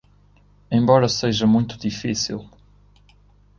Embora seja muito difícil